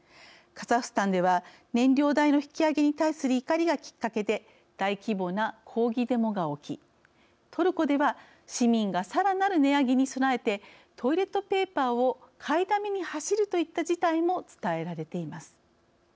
カザフスタンでは燃料代の引き上げに対する怒りがきっかけで大規模な抗議デモが起きトルコでは、市民がさらなる値上げに備えてトイレットペーパーを買いだめに走るといった事態も伝えられています。